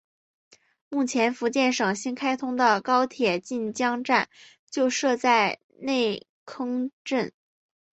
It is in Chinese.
目前福建省新开通的高铁晋江站就设在内坑镇。